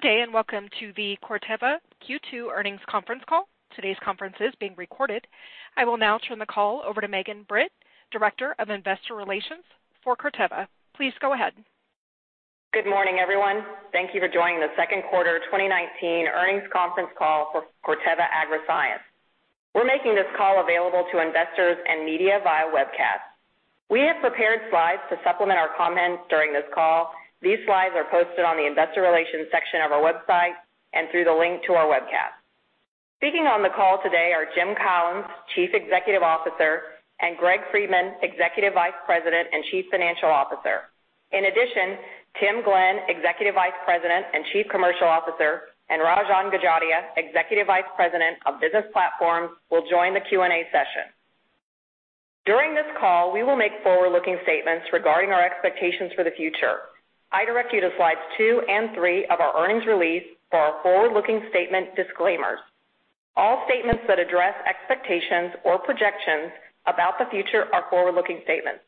Good day. Welcome to the Corteva Q2 earnings conference call. Today's conference is being recorded. I will now turn the call over to Megan Britt, Director of Investor Relations for Corteva. Please go ahead. Good morning, everyone. Thank you for joining the second quarter 2019 earnings conference call for Corteva Agriscience. We're making this call available to investors and media via webcast. We have prepared slides to supplement our comments during this call. These slides are posted on the investor relations section of our website and through the link to our webcast. Speaking on the call today are Jim Collins, Chief Executive Officer, and Greg Friedman, Executive Vice President and Chief Financial Officer. In addition, Tim Glenn, Executive Vice President and Chief Commercial Officer, and Rajan Gajaria, Executive Vice President of Business Platforms, will join the Q&A session. During this call, we will make forward-looking statements regarding our expectations for the future. I direct you to slides two and three of our earnings release for our forward-looking statement disclaimers. All statements that address expectations or projections about the future are forward-looking statements.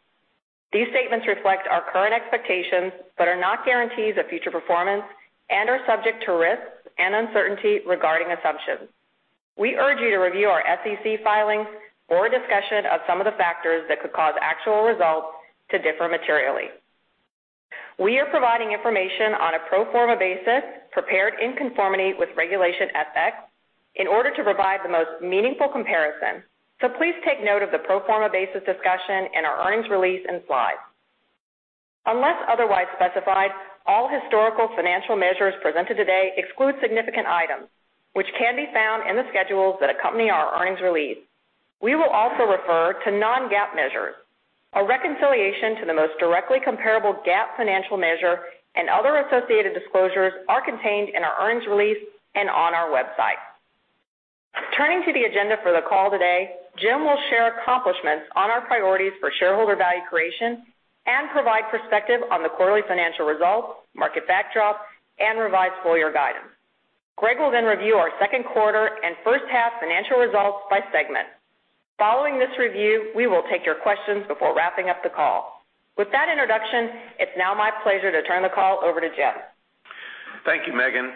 These statements reflect our current expectations, are not guarantees of future performance and are subject to risks and uncertainty regarding assumptions. We urge you to review our SEC filings for a discussion of some of the factors that could cause actual results to differ materially. We are providing information on a pro forma basis prepared in conformity with Regulation S-X in order to provide the most meaningful comparison. Please take note of the pro forma basis discussion in our earnings release and slides. Unless otherwise specified, all historical financial measures presented today exclude significant items, which can be found in the schedules that accompany our earnings release. We will also refer to non-GAAP measures. A reconciliation to the most directly comparable GAAP financial measure and other associated disclosures are contained in our earnings release and on our website. Turning to the agenda for the call today, Jim will share accomplishments on our priorities for shareholder value creation and provide perspective on the quarterly financial results, market backdrop, and revised full-year guidance. Greg will review our second quarter and first-half financial results by segment. Following this review, we will take your questions before wrapping up the call. With that introduction, it's now my pleasure to turn the call over to Jim. Thank you, Megan.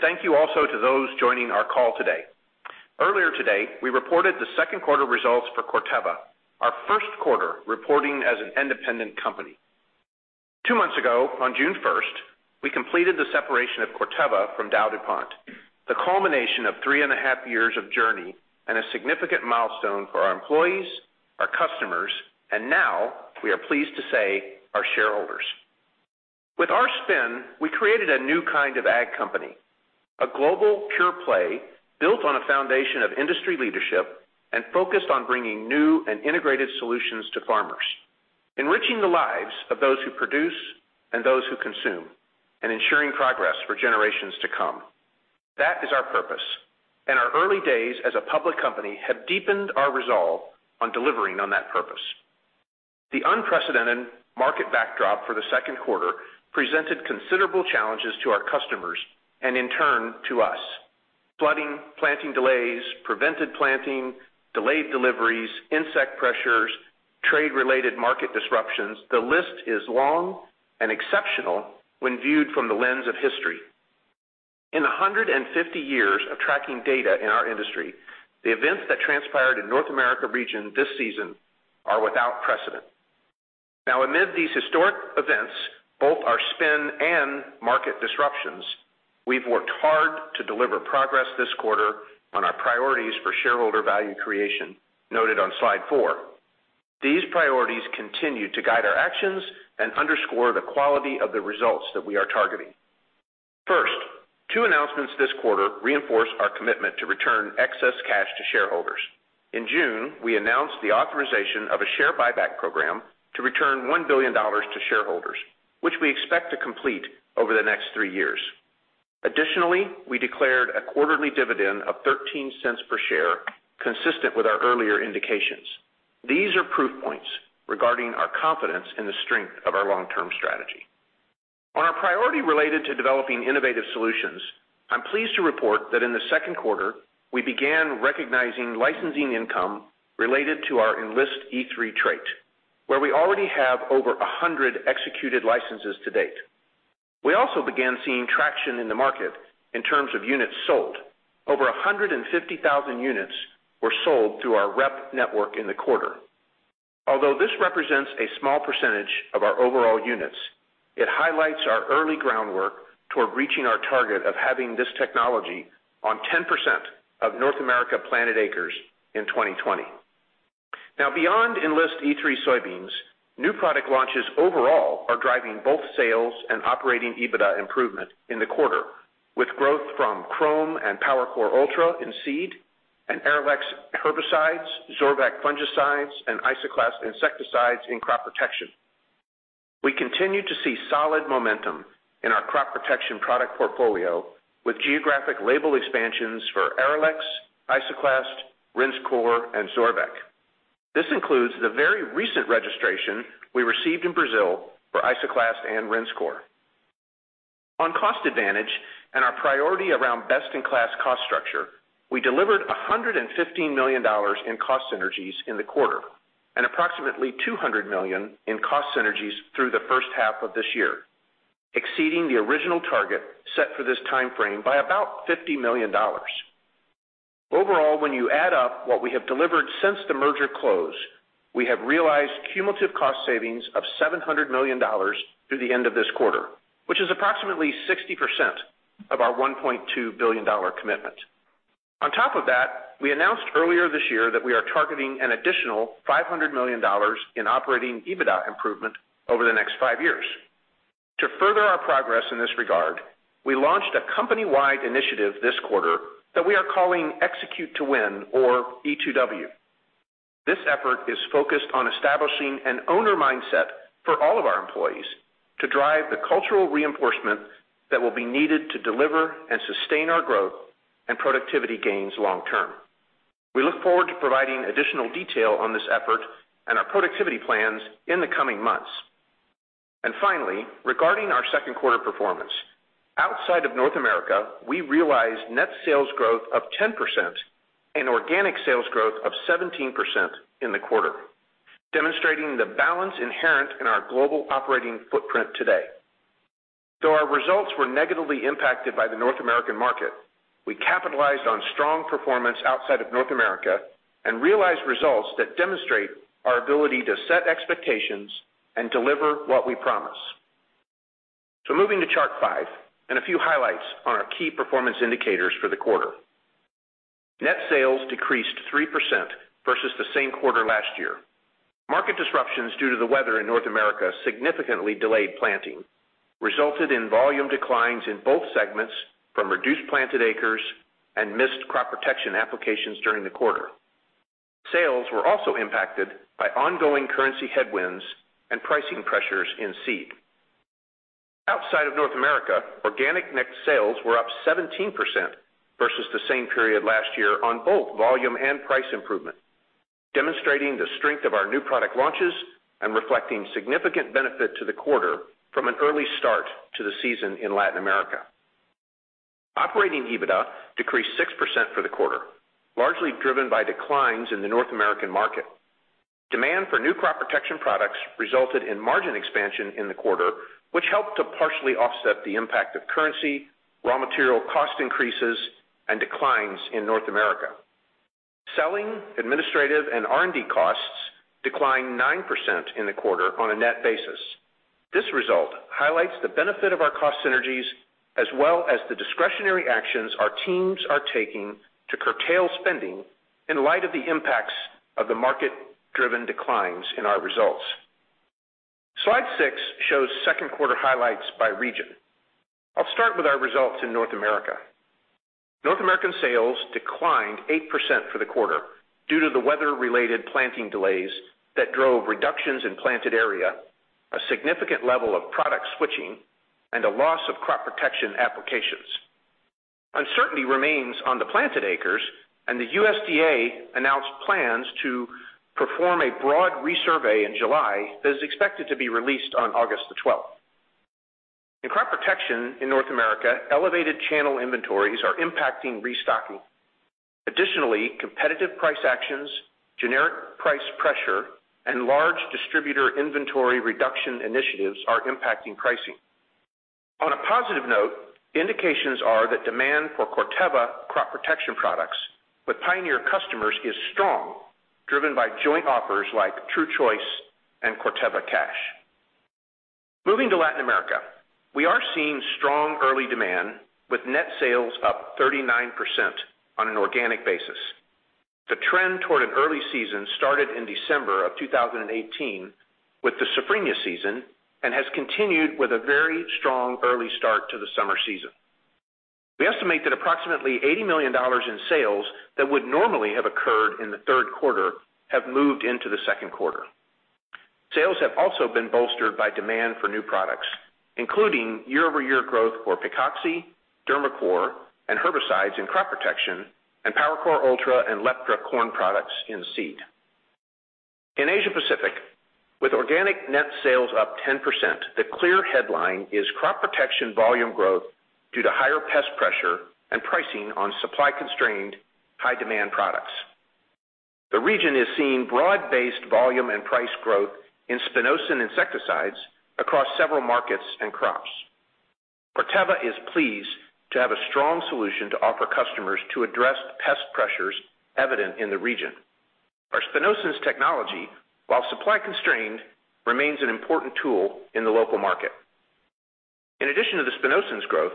Thank you also to those joining our call today. Earlier today, we reported the second quarter results for Corteva, our first quarter reporting as an independent company. Two months ago, on June first, we completed the separation of Corteva from DowDuPont, the culmination of three and a half years of journey and a significant milestone for our employees, our customers, and now, we are pleased to say, our shareholders. With our spin, we created a new kind of ag company, a global pure-play built on a foundation of industry leadership and focused on bringing new and integrated solutions to farmers, enriching the lives of those who produce and those who consume, and ensuring progress for generations to come. That is our purpose, and our early days as a public company have deepened our resolve on delivering on that purpose. The unprecedented market backdrop for the second quarter presented considerable challenges to our customers and in turn to us. Flooding, planting delays, prevented planting, delayed deliveries, insect pressures, trade-related market disruptions. The list is long and exceptional when viewed from the lens of history. In 150 years of tracking data in our industry, the events that transpired in North America region this season are without precedent. Now amid these historic events, both our spin and market disruptions, we've worked hard to deliver progress this quarter on our priorities for shareholder value creation noted on slide four. These priorities continue to guide our actions and underscore the quality of the results that we are targeting. First, two announcements this quarter reinforce our commitment to return excess cash to shareholders. In June, we announced the authorization of a share buyback program to return $1 billion to shareholders, which we expect to complete over the next three years. Additionally, we declared a quarterly dividend of $0.13 per share, consistent with our earlier indications. These are proof points regarding our confidence in the strength of our long-term strategy. On our priority related to developing innovative solutions, I'm pleased to report that in the second quarter, we began recognizing licensing income related to our Enlist E3 trait, where we already have over 100 executed licenses to date. We also began seeing traction in the market in terms of units sold. Over 150,000 units were sold through our rep network in the quarter. Although this represents a small percentage of our overall units, it highlights our early groundwork toward reaching our target of having this technology on 10% of North America planted acres in 2020. Now, beyond Enlist E3 soybeans, new product launches overall are driving both sales and Operating EBITDA improvement in the quarter with growth from Qrome and PowerCore Ultra in seed and Arylex herbicides, Zorvec fungicides, and Isoclast insecticides in crop protection. We continue to see solid momentum in our crop protection product portfolio with geographic label expansions for Arylex, Isoclast, Rinskor, and Zorvec. This includes the very recent registration we received in Brazil for Isoclast and Rinskor. On cost advantage and our priority around best-in-class cost structure, we delivered $115 million in cost synergies in the quarter. Approximately $200 million in cost synergies through the first half of this year, exceeding the original target set for this timeframe by about $50 million. Overall, when you add up what we have delivered since the merger close, we have realized cumulative cost savings of $700 million through the end of this quarter, which is approximately 60% of our $1.2 billion commitment. On top of that, we announced earlier this year that we are targeting an additional $500 million in Operating EBITDA improvement over the next five years. To further our progress in this regard, we launched a company-wide initiative this quarter that we are calling Execute to Win or E2W. This effort is focused on establishing an owner mindset for all of our employees to drive the cultural reinforcement that will be needed to deliver and sustain our growth and productivity gains long term. We look forward to providing additional detail on this effort and our productivity plans in the coming months. Finally, regarding our second quarter performance, outside of North America, we realized net sales growth of 10% and organic sales growth of 17% in the quarter, demonstrating the balance inherent in our global operating footprint today. Though our results were negatively impacted by the North American market, we capitalized on strong performance outside of North America and realized results that demonstrate our ability to set expectations and deliver what we promise. Moving to Chart five and a few highlights on our key performance indicators for the quarter. Net sales decreased 3% versus the same quarter last year. Market disruptions due to the weather in North America significantly delayed planting, resulted in volume declines in both segments from reduced planted acres and missed crop protection applications during the quarter. Sales were also impacted by ongoing currency headwinds and pricing pressures in seed. Outside of North America, organic net sales were up 17% versus the same period last year on both volume and price improvement, demonstrating the strength of our new product launches and reflecting significant benefit to the quarter from an early start to the season in Latin America. Operating EBITDA decreased 6% for the quarter, largely driven by declines in the North American market. Demand for new crop protection products resulted in margin expansion in the quarter, which helped to partially offset the impact of currency, raw material cost increases, and declines in North America. Selling, administrative, and R&D costs declined 9% in the quarter on a net basis. This result highlights the benefit of our cost synergies, as well as the discretionary actions our teams are taking to curtail spending in light of the impacts of the market-driven declines in our results. Slide six shows second quarter highlights by region. I'll start with our results in North America. North American sales declined 8% for the quarter due to the weather-related planting delays that drove reductions in planted area, a significant level of product switching, and a loss of crop protection applications. Uncertainty remains on the planted acres. The USDA announced plans to perform a broad resurvey in July that is expected to be released on August 12th. In crop protection in North America, elevated channel inventories are impacting restocking. Additionally, competitive price actions, generic price pressure, and large distributor inventory reduction initiatives are impacting pricing. On a positive note, indications are that demand for Corteva crop protection products with Pioneer customers is strong, driven by joint offers like TruChoice and Corteva Cash. Moving to Latin America, we are seeing strong early demand with net sales up 39% on an organic basis. The trend toward an early season started in December of 2018 with the Safrinha season and has continued with a very strong early start to the summer season. We estimate that approximately $80 million in sales that would normally have occurred in the third quarter have moved into the second quarter. Sales have also been bolstered by demand for new products, including year-over-year growth for Picoxi, Dermacor, and herbicides in crop protection and PowerCore Ultra and Leptra corn products in seed. In Asia Pacific, with organic net sales up 10%, the clear headline is crop protection volume growth due to higher pest pressure and pricing on supply-constrained, high-demand products. The region is seeing broad-based volume and price growth in spinosyn insecticides across several markets and crops. Corteva is pleased to have a strong solution to offer customers to address pest pressures evident in the region. Our spinosyns technology, while supply constrained, remains an important tool in the local market. In addition to the spinosyns growth,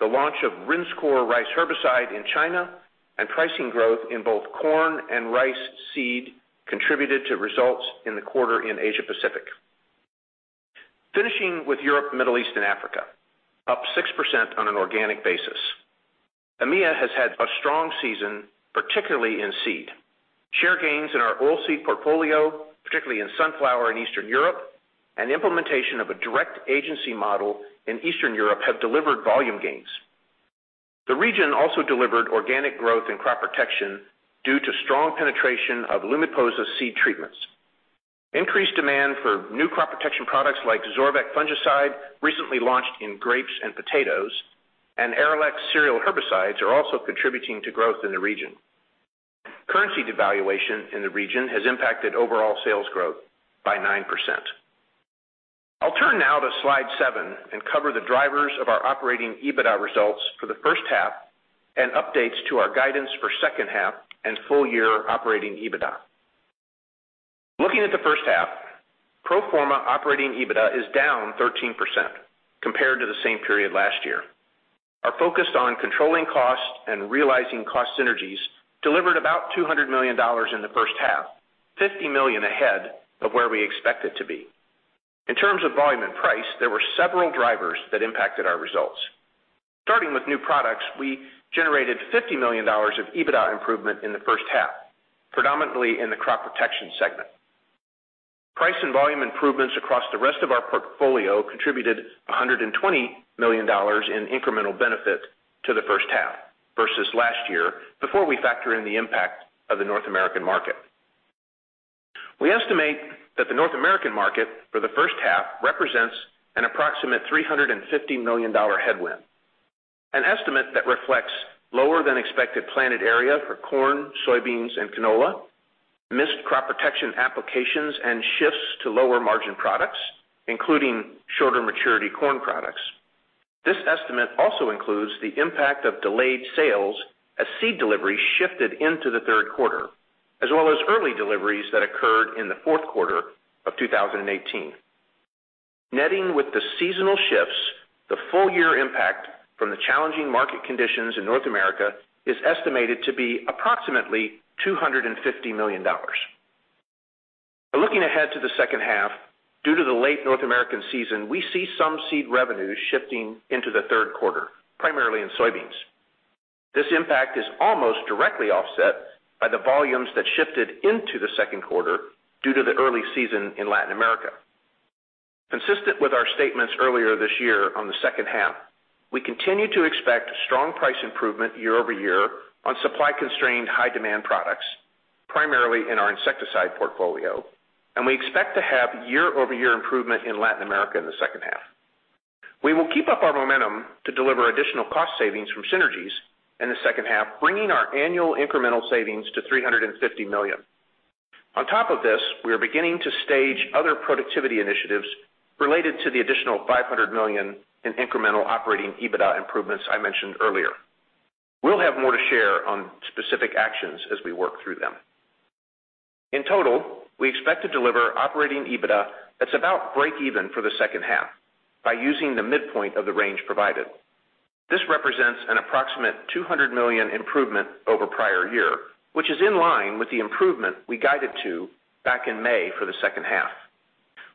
the launch of Rinskor rice herbicide in China and pricing growth in both corn and rice seed contributed to results in the quarter in Asia Pacific. Finishing with Europe, Middle East, and Africa, up 6% on an organic basis. EMEA has had a strong season, particularly in seed. Share gains in our oil seed portfolio, particularly in sunflower in Eastern Europe, and implementation of a direct agency model in Eastern Europe, have delivered volume gains. The region also delivered organic growth in crop protection due to strong penetration of Lumiposa seed treatments. Increased demand for new crop protection products like Zorvec fungicide recently launched in grapes and potatoes. Arylex cereal herbicides are also contributing to growth in the region. Currency devaluation in the region has impacted overall sales growth by 9%. I'll turn now to slide seven and cover the drivers of our Operating EBITDA results for the first half and updates to our guidance for second half and full year Operating EBITDA. Looking at the first half, pro forma Operating EBITDA is down 13% compared to the same period last year. Our focus on controlling costs and realizing cost synergies delivered about $200 million in the first half, $50 million ahead of where we expect it to be. In terms of volume and price, there were several drivers that impacted our results. Starting with new products, we generated $50 million of EBITDA improvement in the first half, predominantly in the crop protection segment. Price and volume improvements across the rest of our portfolio contributed $120 million in incremental benefit to the first half versus last year, before we factor in the impact of the North American market. We estimate that the North American market for the first half represents an approximate $350 million headwind. An estimate that reflects lower than expected planted area for corn, soybeans, and canola, missed crop protection applications, and shifts to lower margin products, including shorter maturity corn products. This estimate also includes the impact of delayed sales as seed delivery shifted into the third quarter, as well as early deliveries that occurred in the fourth quarter of 2018. Netting with the seasonal shifts, the full year impact from the challenging market conditions in North America is estimated to be approximately $250 million. Now looking ahead to the second half, due to the late North American season, we see some seed revenues shifting into the third quarter, primarily in soybeans. This impact is almost directly offset by the volumes that shifted into the second quarter due to the early season in Latin America. Consistent with our statements earlier this year on the second half, we continue to expect strong price improvement year-over-year on supply-constrained, high-demand products, primarily in our insecticide portfolio, and we expect to have year-over-year improvement in Latin America in the second half. We will keep up our momentum to deliver additional cost savings from synergies in the second half, bringing our annual incremental savings to $350 million. On top of this, we are beginning to stage other productivity initiatives related to the additional $500 million in incremental Operating EBITDA improvements I mentioned earlier. We'll have more to share on specific actions as we work through them. In total, we expect to deliver Operating EBITDA that's about break even for the second half by using the midpoint of the range provided. This represents an approximate $200 million improvement over prior year, which is in line with the improvement we guided to back in May for the second half.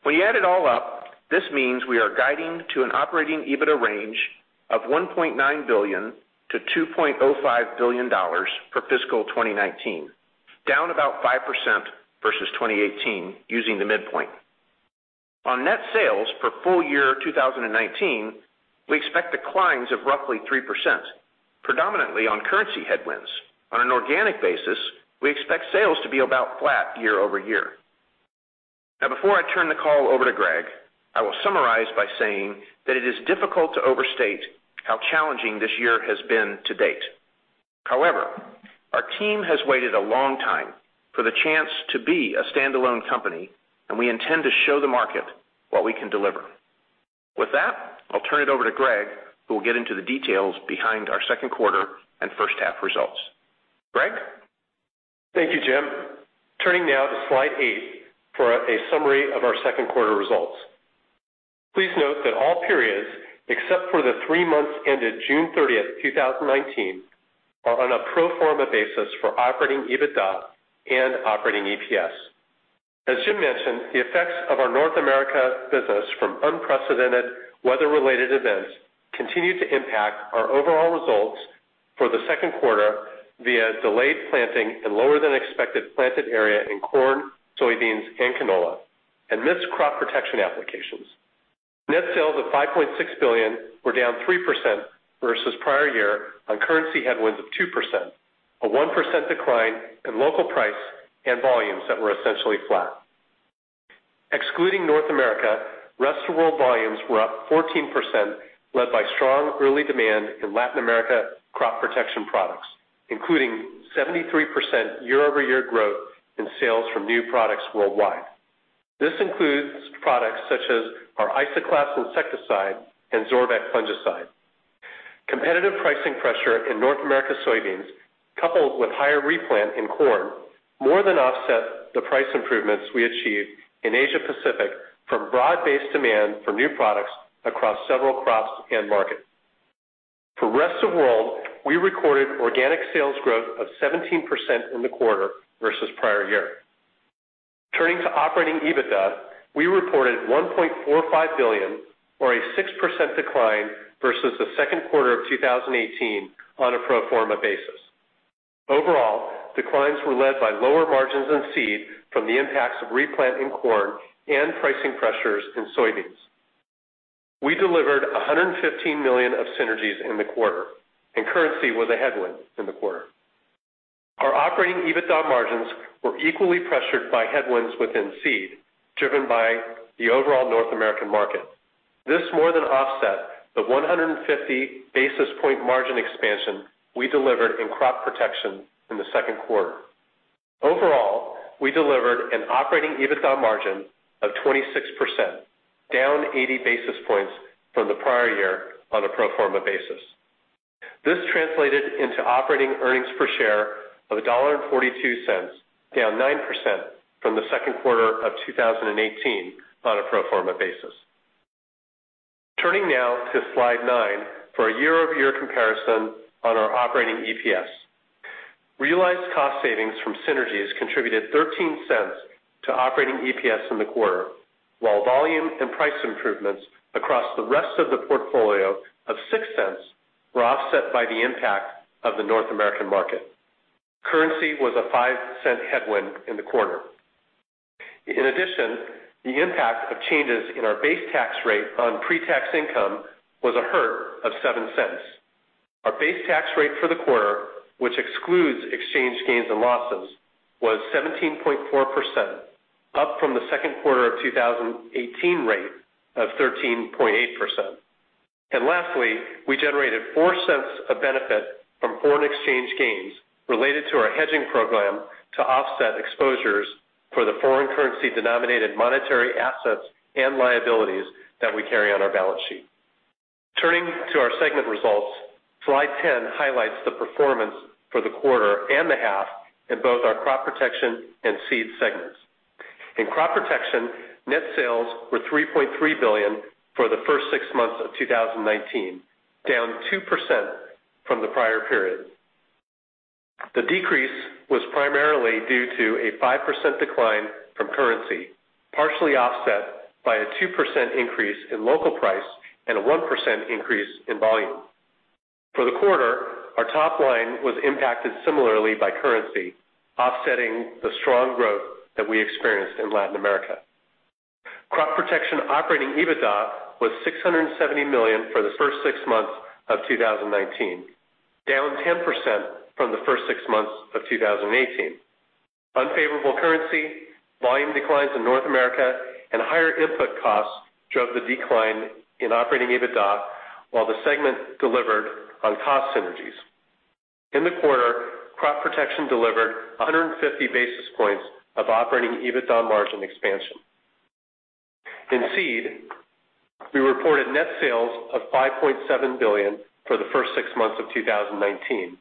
When you add it all up, this means we are guiding to an Operating EBITDA range of $1.9 billion-$2.05 billion for fiscal 2019, down about 5% versus 2018 using the midpoint. On net sales for full year 2019, we expect declines of roughly 3%, predominantly on currency headwinds. On an organic basis, we expect sales to be about flat year-over-year. Now, before I turn the call over to Greg, I will summarize by saying that it is difficult to overstate how challenging this year has been to date. However, our team has waited a long time for the chance to be a standalone company, and we intend to show the market what we can deliver. With that, I'll turn it over to Greg, who will get into the details behind our second quarter and first half results. Greg? Thank you, Jim. Turning now to slide eight for a summary of our second quarter results. Please note that all periods, except for the three months ended June 30, 2019, are on a pro forma basis for Operating EBITDA and Operating EPS. As Jim mentioned, the effects of our North America business from unprecedented weather-related events continued to impact our overall results for the second quarter via delayed planting and lower than expected planted area in corn, soybeans, and canola, and missed crop protection applications. Net sales of $5.6 billion were down 3% versus prior year on currency headwinds of 2%, a 1% decline in local price, and volumes that were essentially flat. Excluding North America, rest of world volumes were up 14%, led by strong early demand in Latin America crop protection products, including 73% year-over-year growth in sales from new products worldwide. This includes products such as our Isoclast insecticide and Zorvec fungicide. Competitive pricing pressure in North America soybeans, coupled with higher replant in corn, more than offset the price improvements we achieved in Asia Pacific from broad-based demand for new products across several crops and markets. For rest of world, we recorded organic sales growth of 17% in the quarter versus prior year. Turning to Operating EBITDA, we reported $1.45 billion or a 6% decline versus the second quarter of 2018 on a pro forma basis. Overall, declines were led by lower margins in seed from the impacts of replant in corn and pricing pressures in soybeans. We delivered $115 million of synergies in the quarter, and currency was a headwind in the quarter. Operating EBITDA margins were equally pressured by headwinds within seed, driven by the overall North American market. This more than offset the 150 basis point margin expansion we delivered in crop protection in the second quarter. Overall, we delivered an Operating EBITDA margin of 26%, down 80 basis points from the prior year on a pro forma basis. This translated into Operating earnings per share of $1.42, down 9% from the second quarter of 2018 on a pro forma basis. Turning now to slide nine for a year-over-year comparison on our Operating EPS. Realized cost savings from synergies contributed $0.13 to Operating EPS in the quarter, while volume and price improvements across the rest of the portfolio of $0.06 were offset by the impact of the North American market. Currency was a $0.05 headwind in the quarter. In addition, the impact of changes in our base tax rate on pre-tax income was a hurt of $0.07. Our base tax rate for the quarter, which excludes exchange gains and losses, was 17.4%, up from the second quarter of 2018 rate of 13.8%. Lastly, we generated $0.04 of benefit from foreign exchange gains related to our hedging program to offset exposures for the foreign currency denominated monetary assets and liabilities that we carry on our balance sheet. Turning to our segment results. Slide 10 highlights the performance for the quarter and the half in both our crop protection and seed segments. In crop protection, net sales were $3.3 billion for the first six months of 2019, down 2% from the prior period. The decrease was primarily due to a 5% decline from currency, partially offset by a 2% increase in local price and a 1% increase in volume. For the quarter, our top line was impacted similarly by currency, offsetting the strong growth that we experienced in Latin America. Crop protection Operating EBITDA was $670 million for the first six months of 2019, down 10% from the first six months of 2018. Unfavorable currency, volume declines in North America, and higher input costs drove the decline in Operating EBITDA, while the segment delivered on cost synergies. In the quarter, crop protection delivered 150 basis points of Operating EBITDA margin expansion. In seed, we reported net sales of $5.7 billion for the first six months of 2019,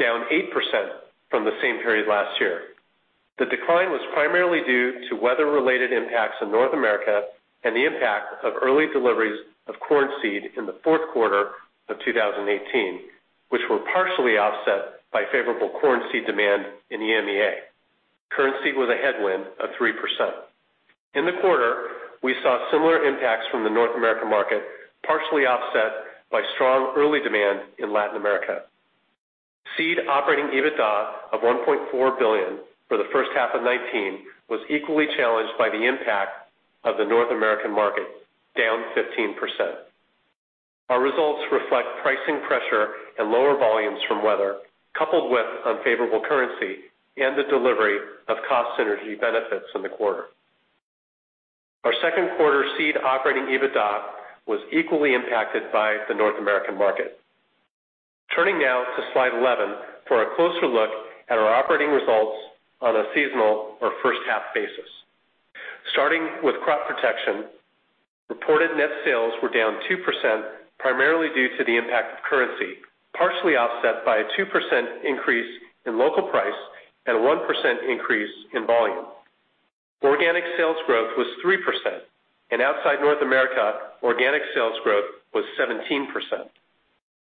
down 8% from the same period last year. The decline was primarily due to weather-related impacts in North America and the impact of early deliveries of corn seed in the fourth quarter of 2018, which were partially offset by favorable corn seed demand in EMEA. Currency was a headwind of 3%. In the quarter, we saw similar impacts from the North American market, partially offset by strong early demand in Latin America. Seed Operating EBITDA of $1.4 billion for the first half of 2019 was equally challenged by the impact of the North American market, down 15%. Our results reflect pricing pressure and lower volumes from weather, coupled with unfavorable currency and the delivery of cost synergy benefits in the quarter. Our second quarter seed Operating EBITDA was equally impacted by the North American market. Turning now to slide 11 for a closer look at our operating results on a seasonal or first half basis. Starting with crop protection, reported net sales were down 2%, primarily due to the impact of currency, partially offset by a 2% increase in local price and a 1% increase in volume. Organic sales growth was 3%, and outside North America, organic sales growth was 17%.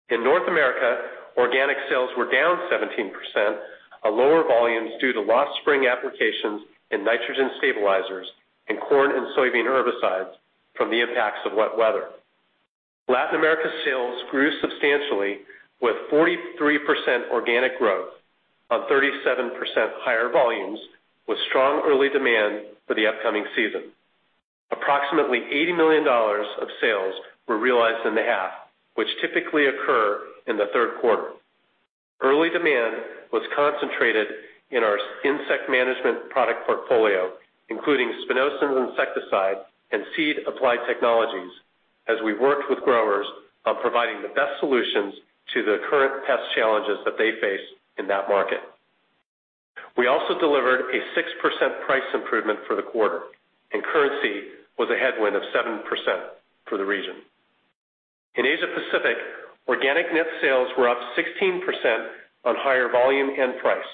In North America, organic sales were down 17%, a lower volume due to lost spring applications in nitrogen stabilizers in corn and soybean herbicides from the impacts of wet weather. Latin America sales grew substantially with 43% organic growth on 37% higher volumes, with strong early demand for the upcoming season. Approximately $80 million of sales were realized in the half, which typically occur in the third quarter. Early demand was concentrated in our insect management product portfolio, including spinosyn insecticide and seed applied technologies, as we worked with growers on providing the best solutions to the current pest challenges that they face in that market. We also delivered a 6% price improvement for the quarter. Currency was a headwind of 7% for the region. In Asia Pacific, organic net sales were up 16% on higher volume and price.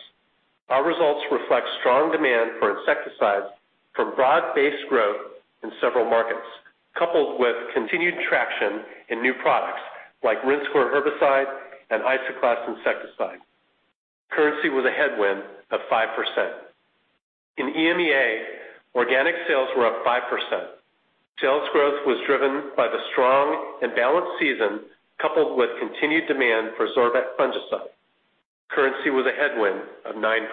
Our results reflect strong demand for insecticides from broad-based growth in several markets, coupled with continued traction in new products like Rinskor herbicide and Isoclast insecticide. Currency was a headwind of 5%. In EMEA, organic sales were up 5%. Sales growth was driven by the strong and balanced season, coupled with continued demand for Zorvec fungicide. Currency was a headwind of 9%.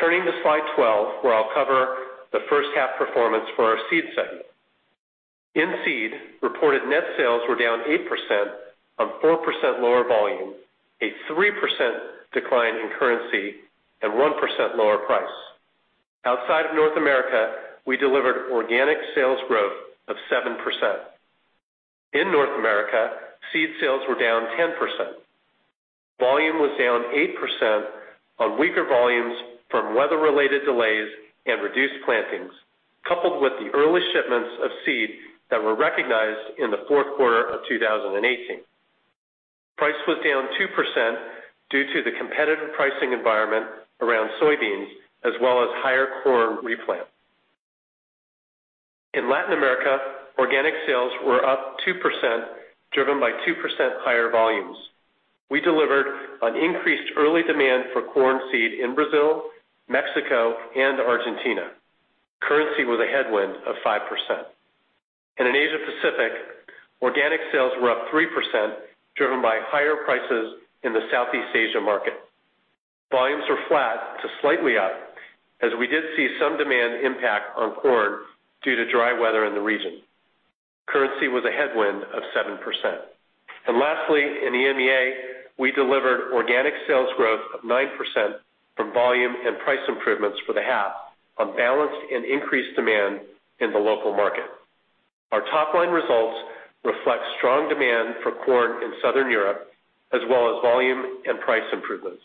Turning to slide 12, where I'll cover the first half performance for our seed segment. In seed, reported net sales were down 8% on 4% lower volume, a 3% decline in currency, and 1% lower price. Outside of North America, we delivered organic sales growth of 7%. In North America, seed sales were down 10%. Volume was down 8% on weaker volumes from weather-related delays and reduced plantings, coupled with the early shipments of seed that were recognized in the fourth quarter of 2018. Price was down 2% due to the competitive pricing environment around soybeans, as well as higher corn replant. In Latin America, organic sales were up 2%, driven by 2% higher volumes. We delivered on increased early demand for corn seed in Brazil, Mexico, and Argentina. Currency was a headwind of 5%. In Asia Pacific, organic sales were up 3%, driven by higher prices in the Southeast Asia market. Volumes were flat to slightly up, as we did see some demand impact on corn due to dry weather in the region. Currency was a headwind of 7%. Lastly, in EMEA, we delivered organic sales growth of 9% from volume and price improvements for the half on balanced and increased demand in the local market. Our top-line results reflect strong demand for corn in Southern Europe, as well as volume and price improvements,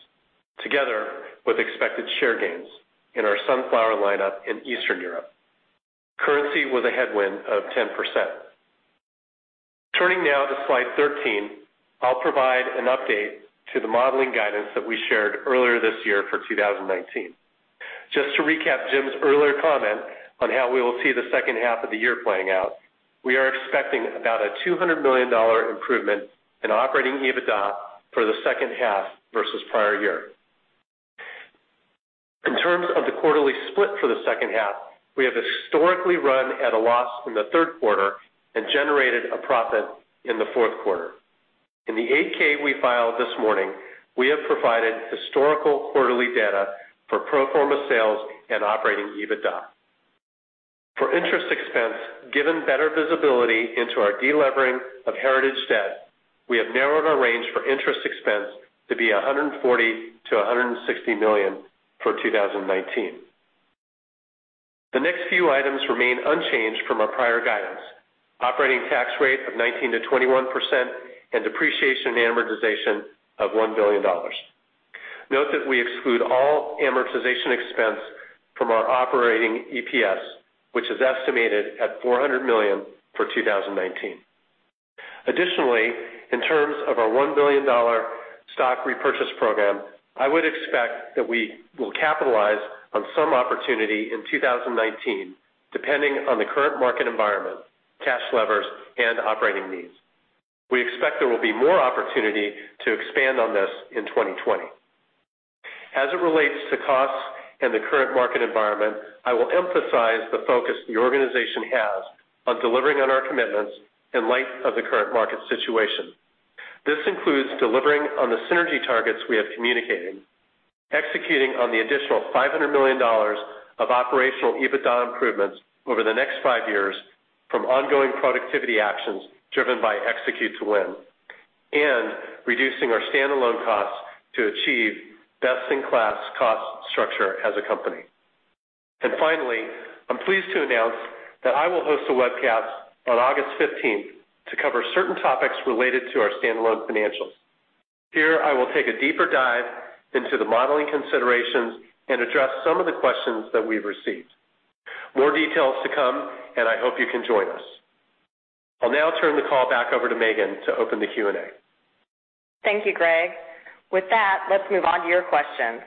together with expected share gains in our sunflower lineup in Eastern Europe. Currency was a headwind of 10%. Turning now to slide 13, I'll provide an update to the modeling guidance that we shared earlier this year for 2019. Just to recap Jim's earlier comment on how we will see the second half of the year playing out, we are expecting about a $200 million improvement in Operating EBITDA for the second half versus prior year. In terms of the quarterly split for the second half, we have historically run at a loss in the third quarter and generated a profit in the fourth quarter. In the 8-K we filed this morning, we have provided historical quarterly data for pro forma sales and Operating EBITDA. For interest expense, given better visibility into our de-levering of heritage debt, we have narrowed our range for interest expense to be $140 million-$160 million for 2019. The next few items remain unchanged from our prior guidance. Operating tax rate of 19%-21% and depreciation and amortization of $1 billion. Note that we exclude all amortization expense from our Operating EPS, which is estimated at $400 million for 2019. Additionally, in terms of our $1 billion stock repurchase program, I would expect that we will capitalize on some opportunity in 2019, depending on the current market environment, cash levers, and operating needs. We expect there will be more opportunity to expand on this in 2020. As it relates to costs and the current market environment, I will emphasize the focus the organization has on delivering on our commitments in light of the current market situation. This includes delivering on the synergy targets we have communicated, executing on the additional $500 million of Operating EBITDA improvements over the next five years from ongoing productivity actions driven by Execute to Win, and reducing our standalone costs to achieve best-in-class cost structure as a company. Finally, I'm pleased to announce that I will host a webcast on August 15th to cover certain topics related to our standalone financials. Here, I will take a deeper dive into the modeling considerations and address some of the questions that we've received. More details to come, and I hope you can join us. I'll now turn the call back over to Megan to open the Q&A. Thank you, Greg. With that, let's move on to your questions.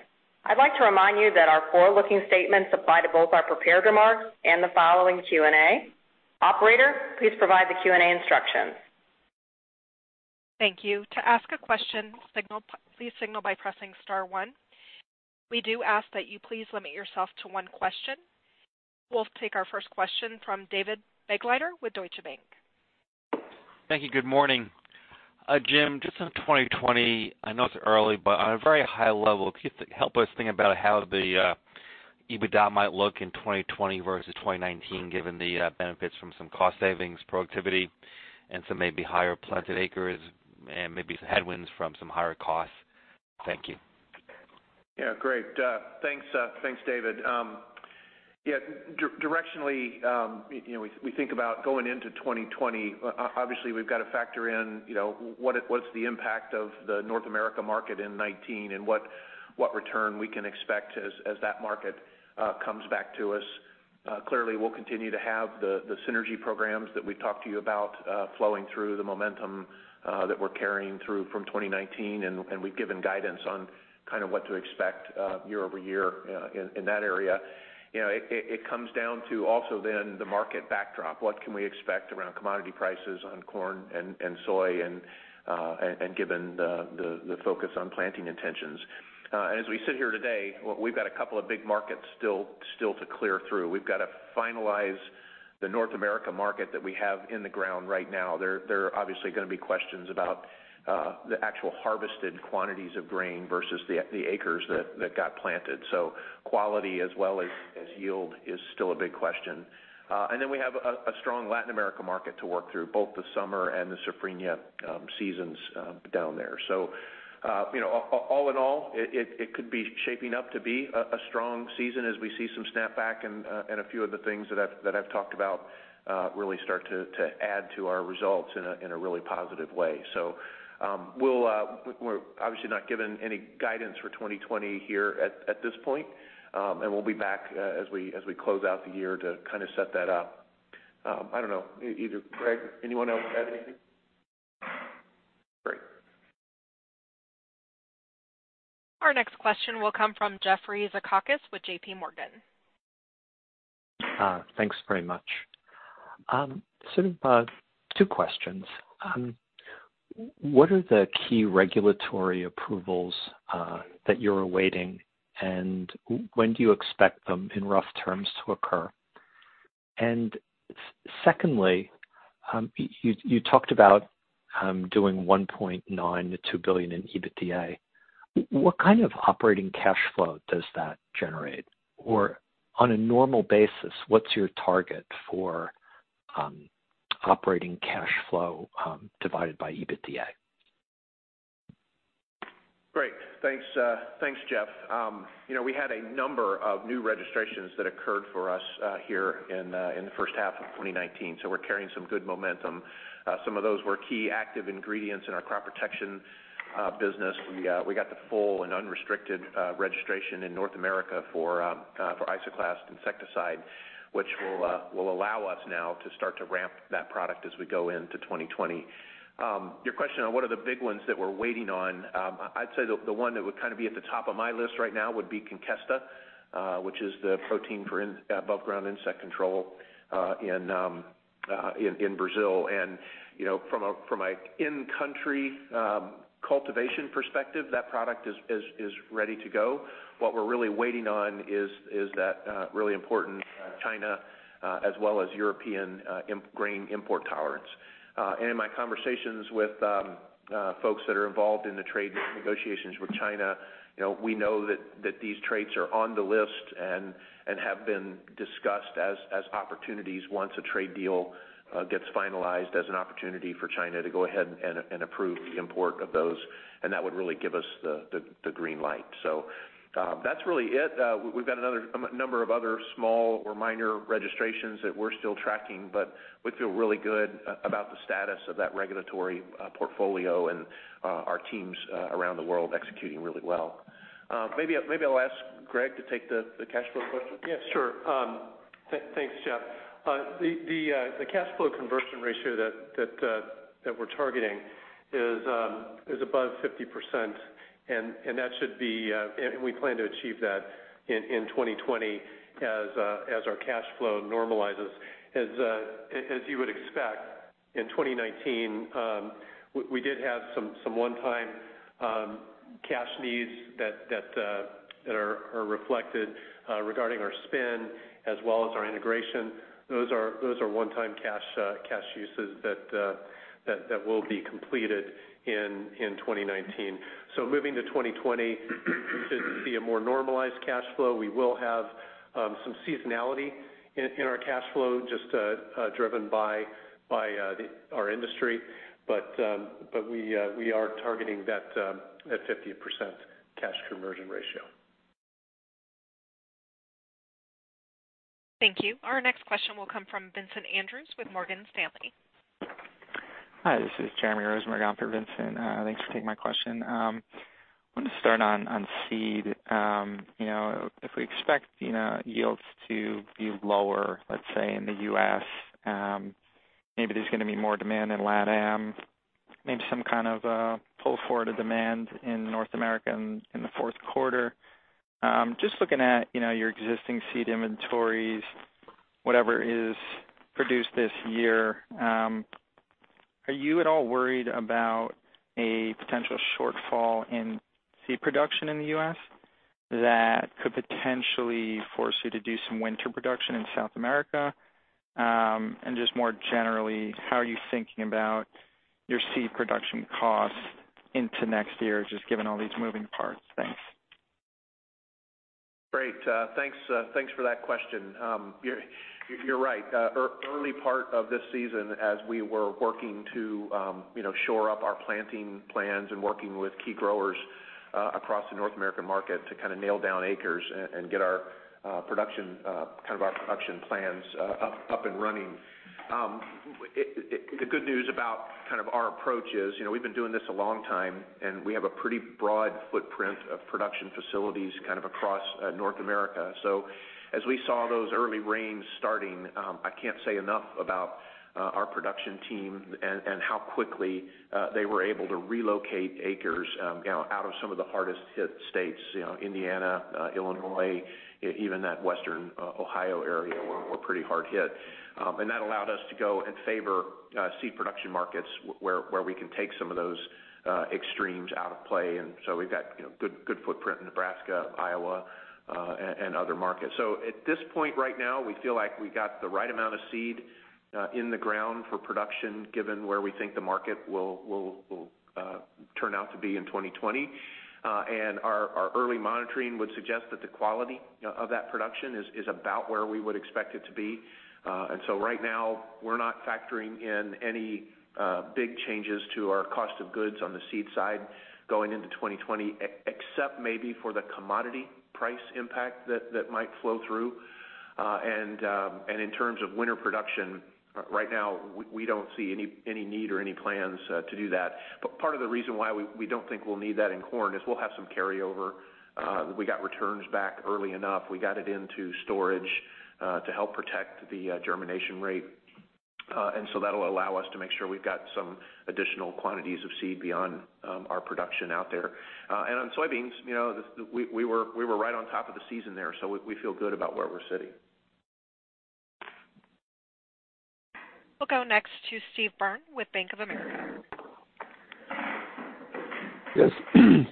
I'd like to remind you that our forward-looking statements apply to both our prepared remarks and the following Q&A. Operator, please provide the Q&A instructions. Thank you. To ask a question, please signal by pressing star one. We do ask that you please limit yourself to one question. We'll take our first question from David Begleiter with Deutsche Bank. Thank you. Good morning. Jim, just on 2020, I know it's early, but on a very high level, can you help us think about how the EBITDA might look in 2020 versus 2019, given the benefits from some cost savings, productivity, and some maybe higher planted acres, and maybe some headwinds from some higher costs? Thank you. Yeah. Great. Thanks, David. Directionally, we think about going into 2020, obviously we've got to factor in what's the impact of the North America market in 2019 and what return we can expect as that market comes back to us. Clearly, we'll continue to have the synergy programs that we've talked to you about flowing through the momentum that we're carrying through from 2019, and we've given guidance on what to expect year-over-year in that area. It comes down to also then the market backdrop. What can we expect around commodity prices on corn and soy, and given the focus on planting intentions. As we sit here today, we've got a couple of big markets still to clear through. We've got to finalize the North America market that we have in the ground right now. There are obviously going to be questions about the actual harvested quantities of grain versus the acres that got planted. Quality as well as yield is still a big question. We have a strong Latin America market to work through, both the summer and the Safrinha seasons down there. All in all, it could be shaping up to be a strong season as we see some snapback and a few of the things that I've talked about really start to add to our results in a really positive way. We're obviously not giving any guidance for 2020 here at this point, and we'll be back as we close out the year to set that up. I don't know, either Greg, anyone else add anything? Great. Our next question will come from Jeffrey Zekauskas with J.P. Morgan. Thanks very much. Sort of two questions. What are the key regulatory approvals that you're awaiting, when do you expect them, in rough terms, to occur? Secondly, you talked about doing $1.9 billion to $2 billion in EBITDA. What kind of operating cash flow does that generate? On a normal basis, what's your target for operating cash flow, divided by EBITDA? Great. Thanks, Jeffrey. We had a number of new registrations that occurred for us here in the first half of 2019. We're carrying some good momentum. Some of those were key active ingredients in our crop protection business. We got the full and unrestricted registration in North America for Isoclast insecticide, which will allow us now to start to ramp that product as we go into 2020. Your question on what are the big ones that we're waiting on, I'd say the one that would kind of be at the top of my list right now would be Conkesta, which is the protein for above ground insect control in Brazil. From an in-country cultivation perspective, that product is ready to go. What we're really waiting on is that really important China, as well as European grain import tolerance. In my conversations with folks that are involved in the trade negotiations with China, we know that these traits are on the list and have been discussed as opportunities once a trade deal gets finalized as an opportunity for China to go ahead and approve the import of those. That would really give us the green light. That's really it. We've got a number of other small or minor registrations that we're still tracking, but we feel really good about the status of that regulatory portfolio and our teams around the world executing really well. Maybe I'll ask Greg to take the cash flow question. Yeah, sure. Thanks, Jeff. The cash flow conversion ratio that we're targeting is above 50%. We plan to achieve that in 2020 as our cash flow normalizes. As you would expect, in 2019, we did have some one-time cash needs that are reflected regarding our spin as well as our integration. Those are one-time cash uses that will be completed in 2019. Moving to 2020, you should see a more normalized cash flow. We will have some seasonality in our cash flow, just driven by our industry. We are targeting that 50% cash conversion ratio. Thank you. Our next question will come from Vincent Andrews with Morgan Stanley. Hi, this is Jeremy Rosenberg on for Vincent. Thanks for taking my question. I wanted to start on seed. If we expect yields to be lower, let's say in the U.S., maybe there's going to be more demand in LATAM, maybe some kind of pull forward of demand in North America in the fourth quarter. Just looking at your existing seed inventories, whatever is produced this year, are you at all worried about a potential shortfall in seed production in the U.S. that could potentially force you to do some winter production in South America? Just more generally, how are you thinking about your seed production costs into next year, just given all these moving parts? Thanks. Great. Thanks for that question. You're right. Early part of this season, as we were working to shore up our planting plans and working with key growers across the North American market to kind of nail down acres and get our production plans up and running. The good news about our approach is we've been doing this a long time, and we have a pretty broad footprint of production facilities across North America. As we saw those early rains starting, I can't say enough about our production team and how quickly they were able to relocate acres out of some of the hardest hit states, Indiana, Illinois, even that western Ohio area were pretty hard hit. That allowed us to go and favor seed production markets where we can take some of those extremes out of play. We've got good footprint in Nebraska, Iowa, and other markets. At this point right now, we feel like we got the right amount of seed in the ground for production, given where we think the market will turn out to be in 2020. Our early monitoring would suggest that the quality of that production is about where we would expect it to be. Right now, we're not factoring in any big changes to our cost of goods on the seed side going into 2020, except maybe for the commodity price impact that might flow through. In terms of winter production, right now, we don't see any need or any plans to do that. Part of the reason why we don't think we'll need that in corn is we'll have some carryover. We got returns back early enough. We got it into storage to help protect the germination rate. That'll allow us to make sure we've got some additional quantities of seed beyond our production out there. On soybeans, we were right on top of the season there. We feel good about where we're sitting. We'll go next to Steve Byrne with Bank of America. Yes.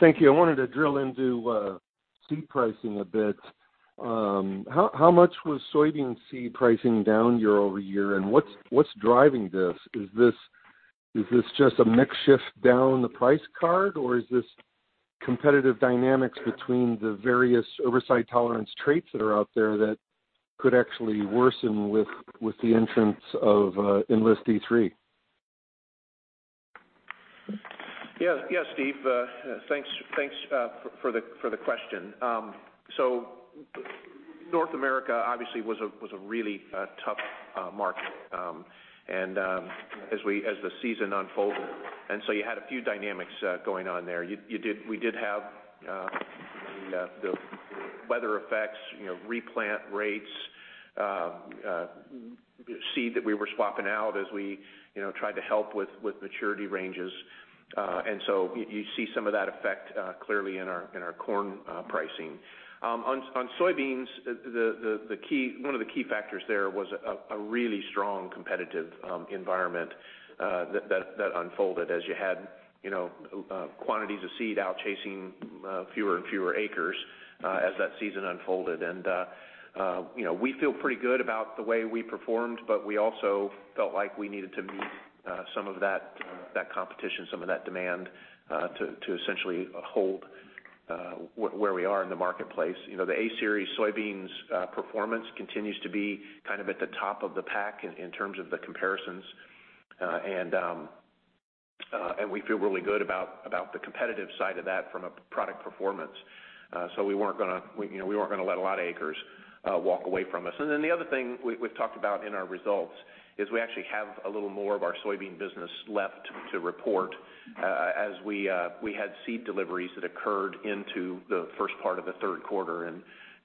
Thank you. I wanted to drill into seed pricing a bit. How much was soybean seed pricing down year-over-year, and what's driving this? Is this just a mix shift down the price card, or is this competitive dynamics between the various herbicide tolerance traits that are out there that could actually worsen with the entrance of Enlist E3? Yes, Steve. Thanks for the question. North America obviously was a really tough market as the season unfolded, you had a few dynamics going on there. We did have the weather effects, replant rates, seed that we were swapping out as we tried to help with maturity ranges. You see some of that effect clearly in our corn pricing. On soybeans, one of the key factors there was a really strong competitive environment that unfolded as you had quantities of seed out chasing fewer and fewer acres as that season unfolded. We feel pretty good about the way we performed, but we also felt like we needed to meet some of that competition, some of that demand, to essentially hold where we are in the marketplace. The A-Series soybeans performance continues to be kind of at the top of the pack in terms of the comparisons. We feel really good about the competitive side of that from a product performance. We weren't going to let a lot of acres walk away from us. The other thing we've talked about in our results is we actually have a little more of our soybean business left to report as we had seed deliveries that occurred into the first part of the third quarter.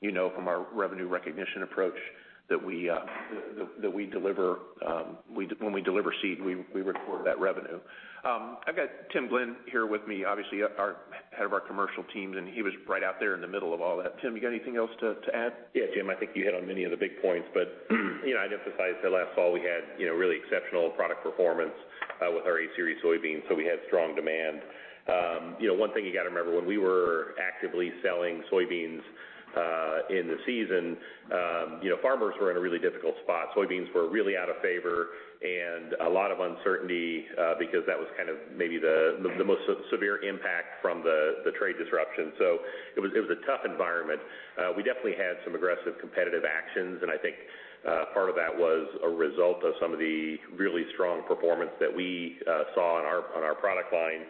You know from our revenue recognition approach that when we deliver seed, we record that revenue. I've got Tim Glenn here with me, obviously head of our commercial team, and he was right out there in the middle of all that. Tim, you got anything else to add? Yeah, Jim, I think you hit on many of the big points. I'd emphasize that last fall we had really exceptional product performance with our A-Series soybeans. We had strong demand. One thing you got to remember, when we were actively selling soybeans in the season, farmers were in a really difficult spot. Soybeans were really out of favor and a lot of uncertainty because that was kind of maybe the most severe impact from the trade disruption. It was a tough environment. We definitely had some aggressive competitive actions. I think part of that was a result of some of the really strong performance that we saw on our product line.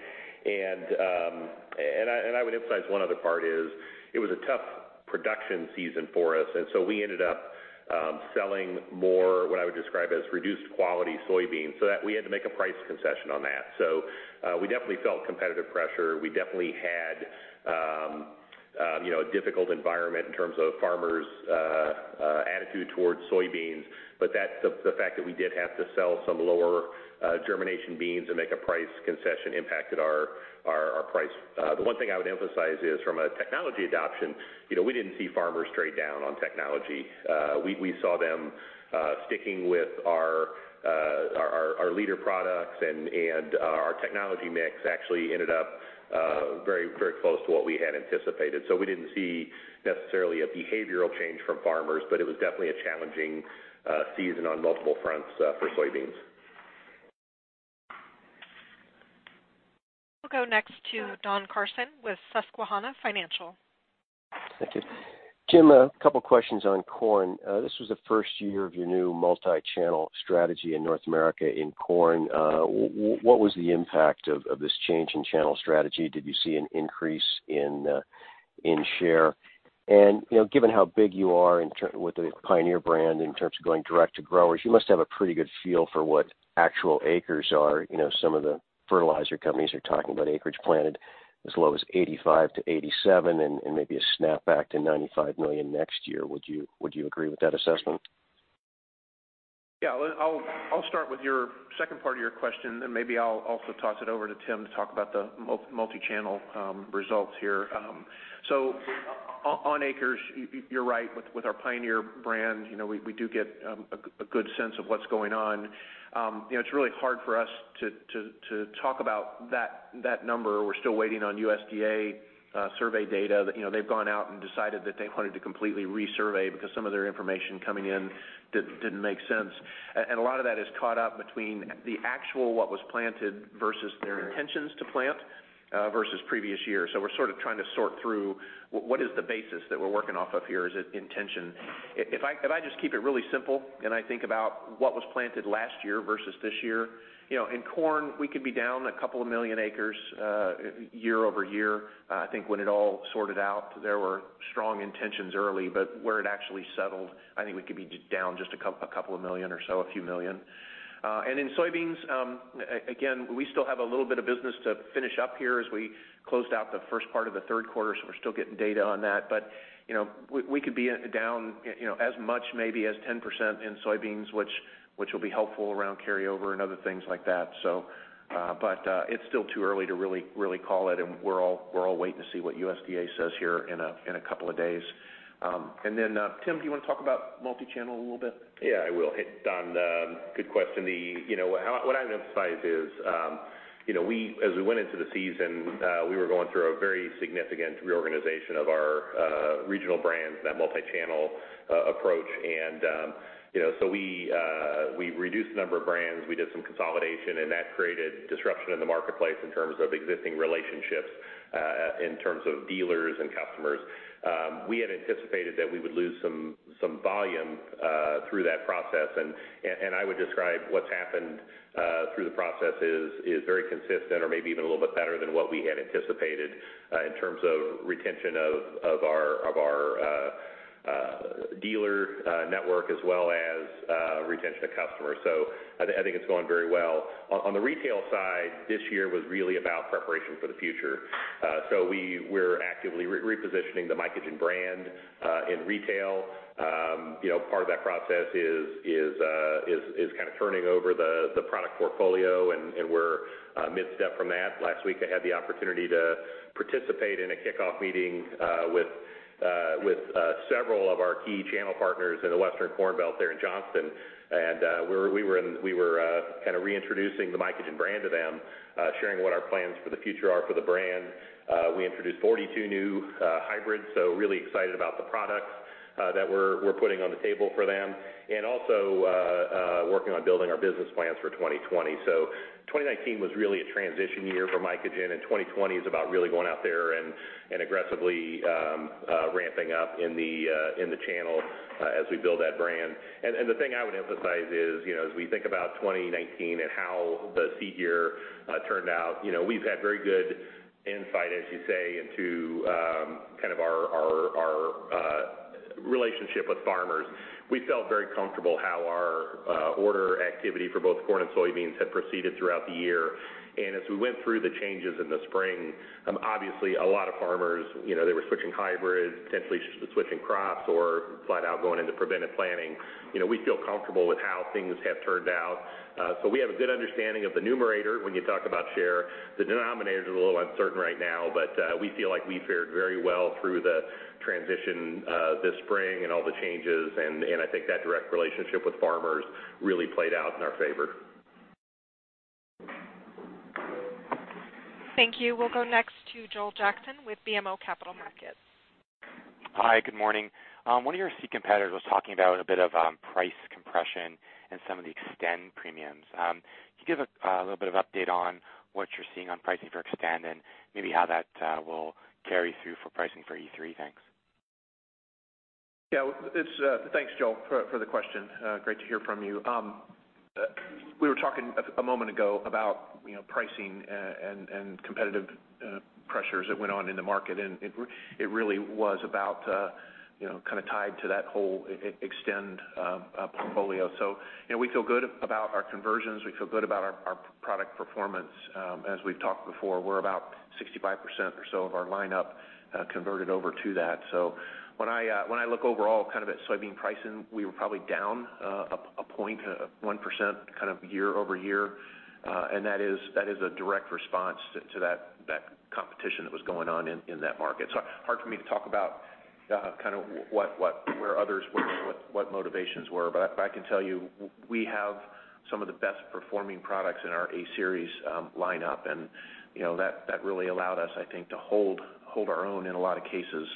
I would emphasize one other part is it was a tough production season for us, and so we ended up selling more, what I would describe as reduced quality soybeans, so that we had to make a price concession on that. We definitely felt competitive pressure. We definitely had a difficult environment in terms of farmers' attitude towards soybeans. The fact that we did have to sell some lower germination beans and make a price concession impacted our price. The one thing I would emphasize is from a technology adoption, we didn't see farmers trade down on technology. We saw them sticking with our leader products and our technology mix actually ended up very close to what we had anticipated. We didn't see necessarily a behavioral change from farmers, but it was definitely a challenging season on multiple fronts for soybeans. We'll go next to Don Carson with Susquehanna Financial. Thank you. Jim, a couple of questions on corn. This was the first year of your new multi-channel strategy in North America in corn. What was the impact of this change in channel strategy? Did you see an increase in share? Given how big you are with the Pioneer brand in terms of going direct to growers, you must have a pretty good feel for what actual acres are. Some of the fertilizer companies are talking about acreage planted as low as 85 to 87 and maybe a snap back to 95 million next year. Would you agree with that assessment? Yeah, I'll start with your second part of your question. Maybe I'll also toss it over to Tim to talk about the multi-channel results here. On acres, you're right, with our Pioneer brand, we do get a good sense of what's going on. It's really hard for us to talk about that number. We're still waiting on USDA survey data. They've gone out and decided that they wanted to completely re-survey because some of their information coming in didn't make sense. A lot of that is caught up between the actual what was planted versus their intentions to plant versus previous years. We're sort of trying to sort through what is the basis that we're working off of here. Is it intention? If I just keep it really simple and I think about what was planted last year versus this year, in corn, we could be down a couple of million acres year-over-year. I think when it all sorted out, there were strong intentions early, but where it actually settled, I think we could be down just a couple of million or so, a few million. In soybeans, again, we still have a little bit of business to finish up here as we closed out the first part of the third quarter, so we're still getting data on that. We could be down as much maybe as 10% in soybeans, which will be helpful around carryover and other things like that. It's still too early to really call it, and we're all waiting to see what USDA says here in a couple of days. Tim, do you want to talk about multi-channel a little bit? Yeah, I will. Hey, Don. Good question. What I would emphasize is as we went into the season, we were going through a very significant reorganization of our regional brands, that multi-channel approach. We reduced the number of brands, we did some consolidation, and that created disruption in the marketplace in terms of existing relationships, in terms of dealers and customers. We had anticipated that we would lose some volume through that process, and I would describe what's happened through the process is very consistent or maybe even a little bit better than what we had anticipated in terms of retention of our dealer network as well as retention of customers. I think it's going very well. On the retail side, this year was really about preparation for the future. We're actively repositioning the Mycogen brand in retail. Part of that process is kind of turning over the product portfolio, and we're mid-step from that. Last week, I had the opportunity to participate in a kickoff meeting with several of our key channel partners in the Western Corn Belt there in Johnston. We were kind of reintroducing the Mycogen brand to them, sharing what our plans for the future are for the brand. We introduced 42 new hybrids, so really excited about the products that we're putting on the table for them. Also working on building our business plans for 2020. 2019 was really a transition year for Mycogen, and 2020 is about really going out there and aggressively ramping up in the channel as we build that brand. The thing I would emphasize is as we think about 2019 and how the seed year turned out, we've had very good insight, as you say, into kind of our relationship with farmers. We felt very comfortable how our order activity for both corn and soybeans had proceeded throughout the year. As we went through the changes in the spring, obviously a lot of farmers, they were switching hybrids, potentially switching crops or flat out going into preventive planning. We feel comfortable with how things have turned out. We have a good understanding of the numerator when you talk about share. The denominator's a little uncertain right now, but we feel like we fared very well through the transition this spring and all the changes, and I think that direct relationship with farmers really played out in our favor. Thank you. We'll go next to Joel Jackson with BMO Capital Markets. Hi, good morning. One of your seed competitors was talking about a bit of price compression in some of the Xtend premiums. Can you give a little bit of update on what you're seeing on pricing for Xtend and maybe how that will carry through for pricing for E3? Thanks. Yeah. Thanks, Joel, for the question. Great to hear from you. We were talking a moment ago about pricing and competitive pressures that went on in the market, and it really was about kind of tied to that whole Xtend portfolio. We feel good about our conversions. We feel good about our product performance. As we've talked before, we're about 65% or so of our lineup converted over to that. When I look overall kind of at soybean pricing, we were probably down a point, 1% kind of year-over-year. That is a direct response to that competition that was going on in that market. Hard for me to talk about kind of where others were, what motivations were. I can tell you, we have some of the best performing products in our A-Series lineup, and that really allowed us, I think, to hold our own in a lot of cases